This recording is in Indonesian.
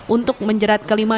untuk menjerat kelima tersangka